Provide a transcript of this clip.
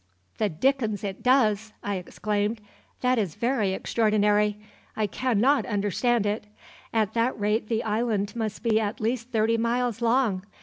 "The dickens it does!" I exclaimed. "That is very extraordinary. I cannot understand it. At that rate the island must be at least thirty miles long!